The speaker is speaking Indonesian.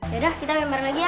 yaudah kita main bareng lagi ya